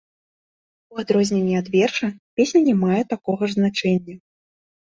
У адрозненні ад верша, песня не мае такога ж значэння.